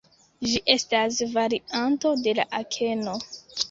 Ĝi estas varianto de la akeno.